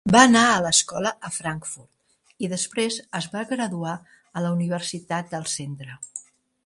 Va anar a l'escola a Frankfurt, i després es va graduar a la universitat del centre.